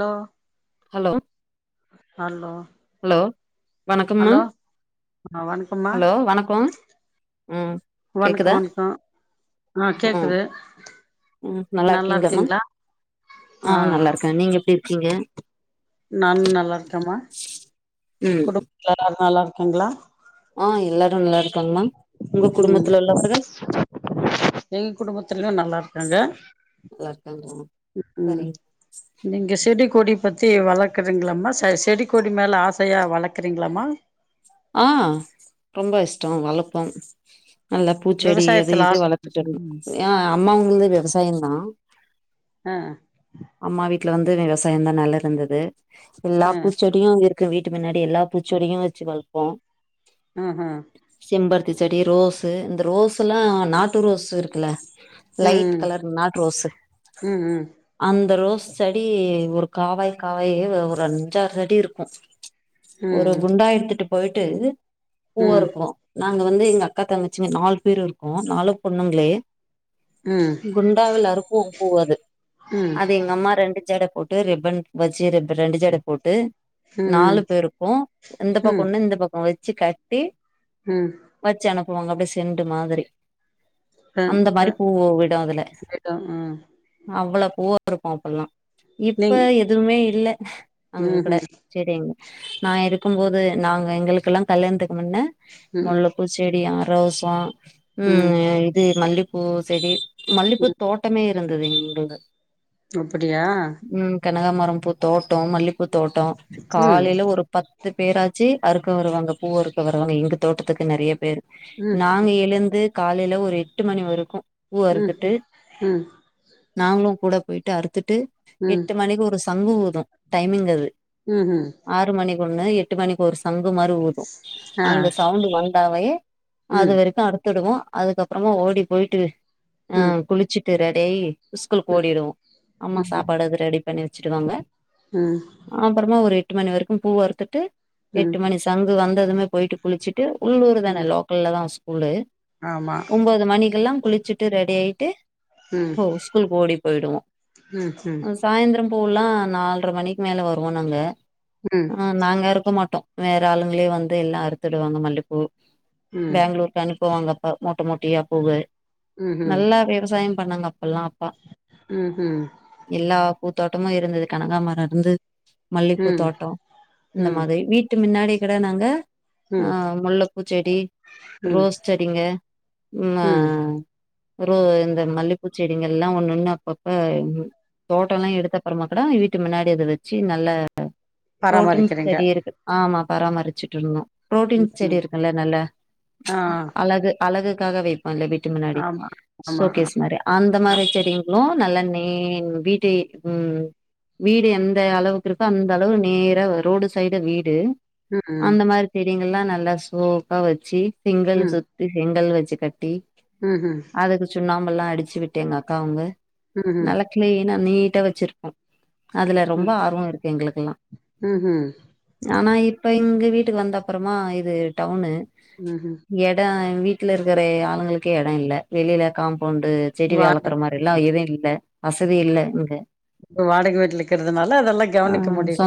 Hello hello hello hello வணக்கம்மா ஆ வணக்கம்மா ஹலோ வணக்கொ ம் வணக்கோ கேக்குதா வணக்கோ ஆ ம் கேக்குது ம் நல்லா இருக்கீங்களாம்மா இருக்கீங்ளா ஆ க நீங்க எப்டி இருக்கீங்க நானும் நல்லா இருக்கேமா ம் குடும்பத்துல எல்லாரும் நல்லா இருக்காங்ளா ஆ எல்லாரும் நல்லா இருக்காங்க மேம் உங்க ம் குடும்பத்துல உள்ளவர்கள் எங்க குடும்பத்துலயும் நல்லா இருக்காங்க நல்லா இருக்காங்களா உம் சரிங்க நீங்க செடி கொடி பத்தி வளக்குறீங்களம்மா செ செடி கொடி மேலே ஆசையா வளக்குறீங்களமா ஆ ரொம்ப இஷ்டம் வளப்போம் நல்ல பூச்செடி எது விவசாயத்துல இது ஆர்வோ வளத்துட்டும் ம் ஏன் அம்மாவுங்கந்து வெவசாயம தான் அ அம்மா வீட்ல வந்து விவசாயம் தா நல்லது இருந்தது ஆ எல்லாப் பூச்செ டியும் அங்க இருக்குற வீட்டு முன்னாடி எல்லா பூச்செடியும் வச்சு வளப்போம் ஆ ஆ செம்பருத்தி செடி, ரோஸு இந்த ரோஸ் எல்லாம் நாட்டு ரோஸ் இருக்குல்ல லைட் ம் கலர் நாட் ரோஸு ம் ம் அந்த ரோஸ் செடி ஒரு காவாய் காவாயே ஒரு அஞ்சாறு அடி இருக்கும் ஒரு ம் குண்டா எடுத்துட்டு போயிட்டு ம் பூவா ம் இருக்கும் நாங்க வந்து எங்க அக்கா தங்கச்சிங்க நாலு பேர் இருக்கோம் நாலும் பொண்ணுங்ளே ம் குண்டாவுல் இருக்கும் பூ அது ம் அது எங்க அம்மா ரெண்டு சட போட் டு ரிப்பன் வச்சு ரெண்டு ரெண்டு சட போட்டு நாலு பேருக்கும் இந்த ம் பக் ம் இந்த பக்கொம் வச்சு கட்டி ம் வச்சு அனுப்புவாங்க அப்டியே செண்டு மாதிரி டன் அந்த மாரி டன் பூவு விடு அதுல போய்ட்டோம். ம் அவ்ளோ பூவா இருக்கு அப்பில்லா இப்ப நீங் எதுமே இல்ல அங்க கூட ம்ஹூம் சேரிங்க நா இருக்கு போது நாங்க எங்களுக்கெல்லா கல்யாணத்துக்கு முன்ன ம்ம் மொல்லப் பூ செடி ஆ ரோஸ் வா ம் இது மல்லிப்பூ செடி மல்லிப்பூ தோட் டமே இருந்தது எங்க இது அப்டியா ம் கனகாமரம் பூ தோட்டோ மல்லிப்பூ தோட்டோ ம் காலேல ஒரு பத்து பேராச் சி அறுக்க வருவாங்க பூ அறுக்க வருவாங்க எங்க தோட்டத்துக்கு நெறய பேர் ம் நாங்க எழுந்து காலேல ஒரு எட்டு மணி வருக்கு பூ ம் அறுத்துட்டு ம் நாங்களு கூட போயிட்டு அறுத்துட்டு ம் எட்டு மணிக்கு ஒரு சங்கு ஊது டைமிங் அது ம் ஹும் ஆறு மணிக்கு ஒன்னு எட்டு மணிக்கு ஒரு சங்கு மாரி ஊது ஆ அந்த சவுண்ட வந்தாவே அது ம் வரைக்கு அறுத்துடுவோ அதுக்கப்பறமா ஓடி போயிட்டு ஆ ம் குளிச்சு திர டேய் ஸ்கூலுக் ஓடிடுவோ அம்மா சாப்பாடு அது ரெடி பண்ணி வச்சுடுவாங்க ம் அப்பறமா ஒரு எட்டு மணி வரைக்கு பூவ அறுத்துட்டு ம் எட்டு மணி சங்கு வந்ததுமே போயிட்டு குளிச்சிட் டு உள்ளூர் தான ம் லோக்கல்ல தா ஸ்கூலு ஆமா ஒம்போ து மணிக்கெல்லா குளிச்சுட்டு ரெடி ஆயிட்டு ம் ஹோ ஸ்கூலுக் ஓடி போயிடுவோ ம் ம் அஸ் சாய்ந்தர பூல்லா நால்ரை மணிக்கு மேலே வருவோ நாங்க ம் ஆ நாங்க இரு க்க மாட்டோ வேற ஆளுங்களே வந்து எல்லா அறுத்துடுவாங்க மல்லிப்பூ ம் பேங்களூர் இப்ப அனுப்புவாங்க அப்பா மோட்ட மோட்டியா பூவு ம்ஹூம் நல்லா விவசாயம் பண்ணாங்க அப்பெல்லா அப்பா ம் ஹும் எல்லா பூத்தோட்டமு இருந்தது கனகாமரம் இருந்து மல்லிப்பூ ம் தோட்டம் இந்த ம் மா ரி வீட்டு முன்னாடியே கூட நாங்க ஆ ம் முல்லப்பூச்செடி ம் ரோஸ் செடிங்க ம்மா ம் ரோ இந்த மல்லிப்பூச்செடிங்களா எல்லா ஒன்னு ஒன்னு அப்பப்ப எங் தோட்ட எல்லா எடுத்த அப்பறமா கூட வீட்டு முன்னாடி அத வச்சு நல்ல புரோட்டீன் பராமரிக்கிறீங்க ஆமா பராமரிச்சுட்டு இருந்தோ புரோட்டீன் செடி ம்ஹூம் இருக்குல்ல நல்ல ஆ அழகு அழகுக்காக வைப்போ இல்ல வீட்டு முன்னாடி ஆமா ஆமா சோகேஸ் மாரி அந்த மாரி செடிங்களு நல்லா நே வீட்டயே ம் வீடு எந்த அளவுக்கு இருக்கோ அந்த அளவு நேரா ரோடு ஸ் சைடு வீடு ம் ம் அந்த மாரி தெரியீங்கள்லாண்ன நல்லா சோக்கா வச்சு செங்கல் சுத் தி செங்கல் வெச்சு கட்டி ம் ஹும் அதுக்கு சுண்ணாம்பெல்லா அடிச்சு விட்டு எங்க அக்கா அவுங்க ம்ஹூம் நல்ல கிளீனா நீட்டா வச்சிருப்போ அதுல ரொம்ப ஆர்வோ இருக்கு எங்களுக்கெல்லா ம் ஹும் ஆனா இப்ப இங்க வீட்டுக்கு வந்த அப்பறமா இது டவுனு ம்ஹும் எடோ வீ ட்டுல இருக்கிறே அவுங்களுக்கே எட இல்ல வெளில காம்பவுண்டு செடிலா வா வெளரக்கற மாரி எல்லா எது இல்ல வசதி இல்ல இங்க இப்ப வாடக வீட்ல இக்கிறது நாலா அதெல்லா கவனிக்க முடியு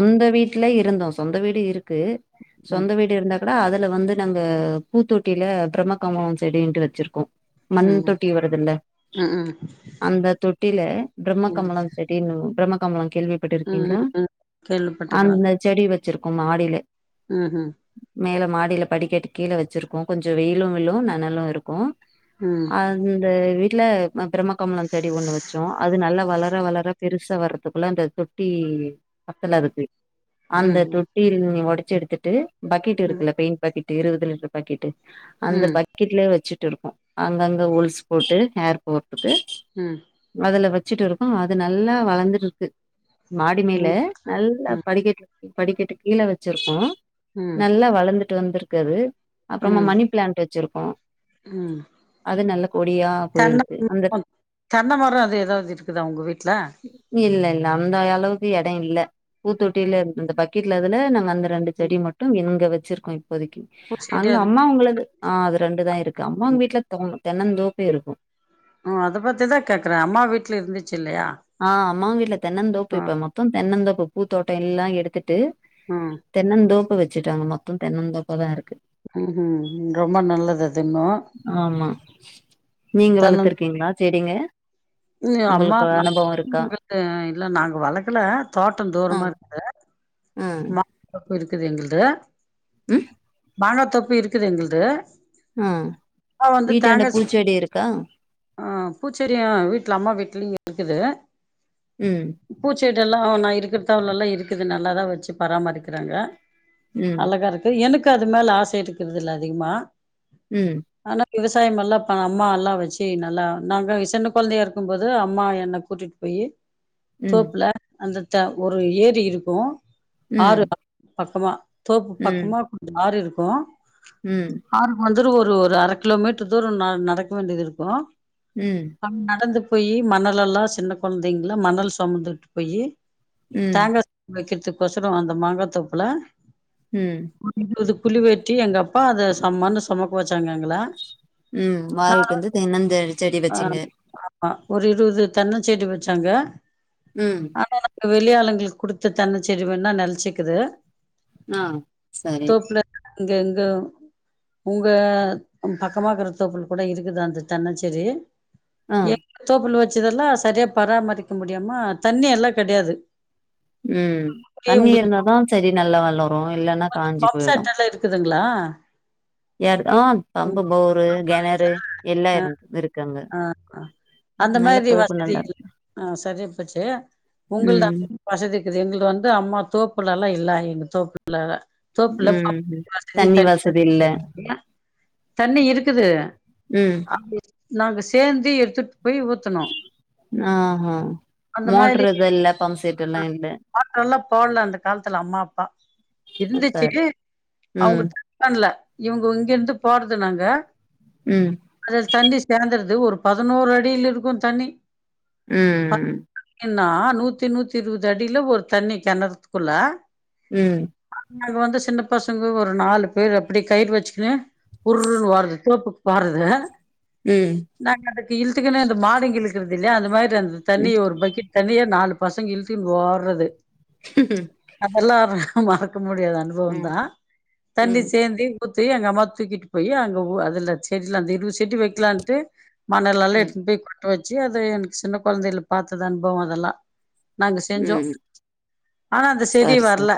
ட்லயே இருந்தோ சொந்த வீடு இருக்கு ம் சொந்த வீடு இருந்தா கூட அதுல வந்து நம்ப பூத்தொட்டில பிரம்மகமலோ செடின்ட்டு வச்சிருக்கோ மண் ம் தொட்டி வருதுல்ல ம் ம் அந்த தொட்டில பிரம்ம ம் கமல செ டின்னு பிரம்மகமல ம் ம் கேள்விப்பட்டிருக்கீங்ளா ம் கேள்விப்பட்டுக்கிறே அந்த செடி வச்சிருக்கோ மாடிலே ம் ம் மேல மாடில படிக்கட்டு கீழே வெச்சிருக்கோ கொஞ்ச வெயிலு விளும நெனளு இருக்கு ம் அ ந்த வீட்ல ம பிரம்ம கமலம் செடி ஒன்னு வச்சோ அது நல்லா வளர வளர பெருசா வரதுக்குள்ள அந்த தொ ட்டி பக்கத்துல இருக்கு அந்த ம்ஹும் தொட்டியில் நீ ஒடச்சு எடுத்துட்டு பக்கெட் ம் இருக்குல பெயிண் பக்கெட் இருவ்து லிட்ரு பக்கெட்டு அந்த ம் பக்கெட்லே வெச்சுட்டு இருக்கோ அங்கங்க ஓல்ஸ் போட்டு ஹேர் போற்துக்கு ம் அதுல வெச்சுட்டு இருக்கோ அது நல்லா வளந்துருது மாடிமேல ம் நல்லா படிக்கட்டு படிக்கட்டு கீழ வெச்சிருக்கோ ம் ம் நல்லா வளந்துட்டு வந்திருக்கு அது அப்றமா ம் மணி பிளான்ட் வெச்சிருக்கோ ம் அது நல்ல கொடியா தென்ன போயிருக்கு அந்த [inaudible] தென்ன மரோ அது எதாவ்து இருக்குதா உங்க வீட்ல இல்ல இல்ல அந்தளவுக்கு எடோ இல்ல பூத்தொட்டில இந்த பக்கெட்ல அதுல நாங்க அந்த ரெண்டு செடி மட்டு இங்க வெச்சிருக்கோ இப்போதைக்கி பூச்செடி அங்க அது அம்மா உங்களது ஆ அது ரெண்டுதா இருக்கு அம்மாங்க வீட்ல தொ தென்னந்தோப்பே இருக்கு ம் அத பத்திதா கேக்கறே அம்மா வீட்ல இருந்துச்சு இல்லையா ஆ அம்மா வீட்ல தென்னந்தோப்பு ஆ இப்ப மொத்தோ தென்னந்தோப்பு பூத்தோட்டோ எல்லா எடுத்துட்டு அ தென்னந்தோப்பு வெச்சுட்டாங்க மொத்தோ தென்னந்தோப்ப தா இருக்குது ம் ம் ரொம்ப நல்லது அது இன்னு ஆமா நீங்க தென்னம் வளர்த்துருக்கீங்ளா செடிங்க உங்களுக்கு அனுபவோ இருக்கா உங்கள்து இல்ல நாங்க வளக்கல தோட்டோ ஆ தூரமா இருக்குது ஆ மா தோப்பு இருக்குது எங்கள்து ம் மாங்கா தோப்பு இருக்குது எங்கள்து அ ஆ வந்து வீட்டாண்ட தேங்கா செ பூச்செடி இருக்கா ஆ பூச்செடி வீட்ல அம்மா வீட்லயு இருக்குது ம் பூச்செடி எல்லா நா இருக்கிற தவல்லல இருக்குது நல்லாதா வெச்சு பராமரிக்கிறாங்க ம் அழகா இருக்கு எனக்கு அது மேல ஆசை இருக்கிறது இல்ல அதிகமா ம் ஆனா விவசாயம் எல்லா இப்ப அம்மா எல்லா வெச்சு நல்லா நாங்க சின்ன கொழந்தையா இருக்கும்போது அம்மா என்ன கூட்டிட் போய் ம் தோப்புல அந்த த ஒரு ஏரி இருக்கு ஆறு ம் பக் பக்கமா தோப்பு ம் பக்கமா [inaudible] ஆறு இருக்கு ம் ஆறுக்கு வந்து ஒரு ஒரு அர கிலோ மீட்ரு தூரோ நா நடக்க வேண்டியது இருக்கு ம் நா நடந்து போயி மணலெல்லா சின்ன கொழந்தைங்லா மணல் சொமந்துட்டு போயி ம் தேங்கா வெக்கிறதுக் கொசரோ அந்த மாங்காத்தோப்ல ம் [inaudible] குழி வெட்டி எங்கப்பா அத சம் மண்ணு சொமக்க வெச்சாங்க எங்கள ம் நா வாறிட்டு வந்து தென்னந்தே செடி வெச்சிங்க ஆ ஒரு இருவது தென்ன செடி வெச்சாங்க ம் ஆனா நாங்க வெளி ஆளுங்ளுக் குடுத்த தென்ன செடி வேண்னா நெல்ச்சிக்குது ஆ செரி இங்க எங்க உங்க ம் பக்கமா இர்க்கற தோப்புல கூட இருக்குதா அந்த தென்ன செடி ஆ எங் தோப்புல வெச்சதெல்லா சரியா பராமரிக்க முடியாம தண்ணி எல்லா கெடையாது ம் அப்டியே தண்ணி உங்களுக்கு ஏறுனாதா செடி நல்லா வள உங்களுக்கு பம்ப் செட் எல்லா இருக்குதுங்ளா ஏரு ஆ பம்ப்பு போரு அம்மா வீட்ல கெணறு எல்லா ஆ இருக்கு இரு ஆ அ அந்த மாதிரி தோப்பு வசதி நல்லா இல்ல இருக்கு ஆ சரியாப்போச்சு உங்கள் தா ம் வசதி இக்குது எங்கள்து வந்து அம்மா தோப்புலல்லா இல்ல எங்க தோப்பு உள்ளார ம் ம் தண்ணி வசதி இல்ல கெடையாது தண்ணி இருக்குது ம் நாங்க சேந்து எடுத்துட் போய் ஊத் ஆ ஆ அந்த மோட்ரு இது இல்ல பம்ப் செட்டு எல்லா இல்ல மோட்ருல்லா போட்ல அந்த காலத்துல அம்மா அப்பா இருந்துச்சு சரி அவுங்க ம் [inaudible] பண்ல இவுங்க இங்கிர்ந்து போறது நாங்க ம் அதுல் தண்ணி சேந்தற்து ஒரு பதனோர் அடிலிருக்கு தண்ணி ம் என்னா நூத்தி நூத்தி இருவது அடில ஒரு தண்ணி கெணத்துக்குள்ள ம் நாங்க வந்து சின்ன பசங்க ஒரு நாலு பேரு அப்பிடி கயிற் வெச்சுக்கினு உர்ருன் ஓட்றது தோப்புக் போறது ம் நாங்க அதுக்கு இழ்த்துகினு அந்த மாடுங்க இழுக்கற்தில்லயா அந்த மாரி அந்த ம் தண்ணி ஒரு பக்கெட் தண்ணிய நாலு பசங்க இழ் த்தின் ஓட்றது அப்பல்லா ஒரு மறக்க முடியாத ம் அனுபவந்தா தண்ணி ம் சேந்தி ஊத்தி எங்க அம்மா தூக்கிட்டு போயி அங்க ஊ அதுல செடில அந்த இருவது செடி வெக்கலான்ட்டு மணலல்லா ம் எடுத்துன் போய் கொட்டு வச்சு அது எனக் சின்ன கொழ்ந்தைல பாத்தது அனுபவோ அதெல்லா நாங்க செஞ்சோ ம் ஆனா அந்த செடி சரி வர்ல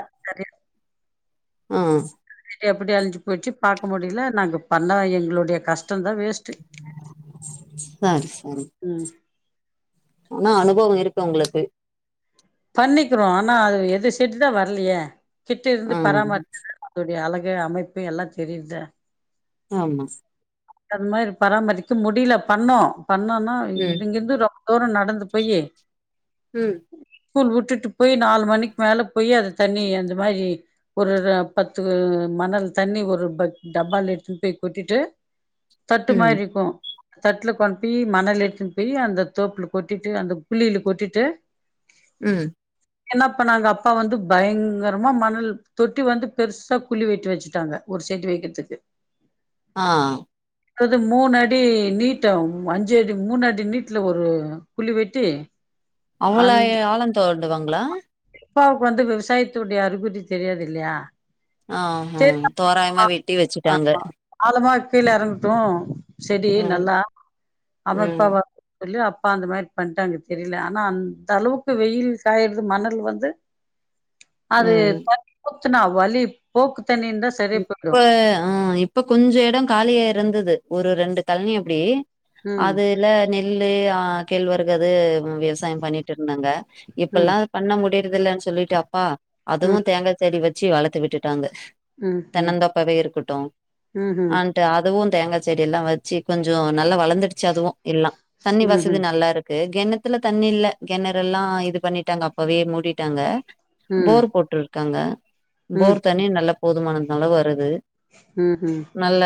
ம் செடி அப்டியே அழ்ஞ்சு போய்ர்ச்சு பாக்க முடில நாங்க பண்ண எங்ளுடைய கஷ்டந்தா வேஸ்ட் ஆ சரி ம் ஆனா அனுபவோ இருக்கு உங்ளுக்கு பண்ணிக்கிறோ ஆனா அது எது செடி தா வர்லியே கிட்ட இர்ந்து ஆ பராமரி [inaudible] அதோடைய அழகு அமைப்பு எல்லா செடில் தா ஆமா அந் மாரி பராமரிக்க முடில பண்ணோ பண்ணோனா ம் இங்கிர்ந்து ரொம்ப தூரோ நடந்து போயி உ ஸ்கூல் விட்டுட்டு போய் நாலு மணிக்கு மேல போய் அத தண்ணி அந்த மாரி ஒரு பத்து மணல் தண்ணி ஒரு பத்து டப்பால எடுத்துட்டு போய் கொட்டிட்டு தட்டு ம் மாரி ருக்கு தட்ல கொண்டு போய் மணல் எத்துன்னு போய் அந்த தோப்புல கொட்டிட்டு அந்த குழில கொட்டிட்டு உ என்ன பண்ணாங்க அப்பா வந்து பயங்கரமா மணல் தொட்டி வந்து பெருசா குழி வெட்டி வச்சுட்டாங்க ஒரு செடி வெக்கிர்துக்கு ஆ அது மூனடி நீட்ட அஞ்சு அடி மூனடி நீட்டுல ஒரு குழி வெட்டி அவ்ளோய் அந்த ஆழோ தோண்டுவாங்ளா அப்பாவுக்கு வந்து விவசாயத்துடைய அறிகுறி தெரியாது இல்லயா ஆஹுதோராயமா வெட்டி வச்சுட்டாங்க ஆமா ஆழமா கீழ எறங்கட்டு செடி ம் நல்லா ம் அமைப்பா வ சொல்லி அப்பா அந்த மாரி பண்ட்டாங்க தெரில ஆனா அந்த அளவுக்கு வெயில் காய்றது மணல் வந்து அது ம் [unintelligible] போக்துனா வழி போக்கு தண்ணிந்தா இப்ப ஆ இப்ப கொஞ்ச எடோ காலியா இருந்தது ஒரு ரெண்டு கழனி அப்டி ம் அதுல நெல்லு ஆ கேழ்வரகு அது விவசாயோ பண்ணிட்டு இருந்தாங்க ம் இப்பெல்லா பண்ண முடிறதில்லன்னு சொல்லிட்டு அப்பா ம் அதுவு தேங்கா செடி வச்சு வளத்து விட்டுட்டாங்க ம் தென்ன ம் தோப்பாவே இருக்கட்டு ம்ஹூம் அன்ட்டு அதுவு தேங்கா செடி எல்லா வச்சு கொஞ்சோ நல்லா வளந்துடுச்சி அதுவு எல்லா தண்ணி வசதி ம்ஹூம் நல்லாருக் கு கெணத்துல தண்ணி இல்ல கெணறெல்லா இது பண்ணிட்டாங்க அப்பவே மூடிட்டாங்க ம் போர் போட்ருக்காங்க ம் போர் தனி நல்லா போதுமானதுனால வருது உ உ நல்ல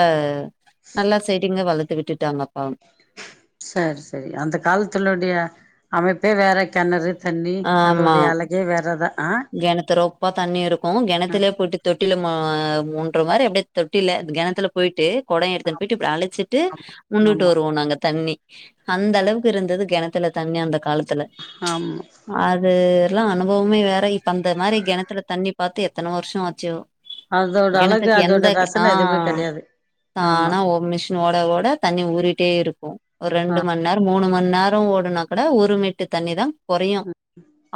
நல்லா செடிங்க வளத்து விட்டுட்டாங்கப்பா சேரி சேரி அந்த காலத்துலோடய அமைப்பே வேற கெணறு தண்ணி ஆமா அதோடய அழக் கே வேறதா ஆ கெணத்து ரொப்பா தண்ணி இருக்கு ஆ கிணத்துலயே போயிட்டு தொட் ட்டில மோ மூன்ற மாரி அப்டியே தொட்டில கெணத்துல போயிட்டு கொடோ எடுத்துன்னு போயிட்டு இப்டி அழச்சிட்டு ஆமா முன்னுட்டு ஆமா வருவோ நாங்க தண்ணி அந்த அளவுக்கு இருந்தது கெணத்துல தண்ணி அந்த காலத்துல ஆமா அது லா அனுபவமே வேற இப்ப அந்த மாரி கெணத்துல தண்ணி பாத்து எத்தன வருஷோ ஆச்சோ அதோட அழகு கெணத்துக்கு அதோட எந்த ஆ ரசன எதுவுமே கெடையாது ஆமா தானாஓ மிஷ் ன் ஓட ஓட தண்ணி ஊறிட்டே இருக்கு ஒரு ஆ ரெண்டு மண் நேரோ மூணு மண் நேரோ ஓடுனா கூட ஒரு மிட்டு தண்ணிதா கொறையு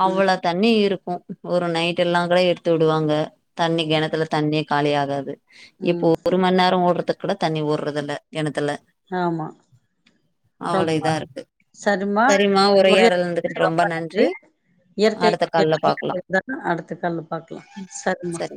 அவ்வள தண்ணி இருக்கு ஒரு நைட் எல்லா கூட எடுத்து விடுவாங்க தண்ணி கெணத்துல தண்ணியே காலியாகாது இப்போ ம் ஒரு மண் நேரோ ஓட்றத் கூட தண்ணி ஓர்ரது இல்ல கெணத்துல ஆமா அவ்வள ரொம்ப இத இருக்கு சரிம்மா சேரிம்மா ஒரே உரையாடுனதுக்கு ரொம்ப நன்றி அடுத்த கால்ல பாக்கலா எதனா அடுத்த கால்ல பாக்கலா சரிம்மா சரி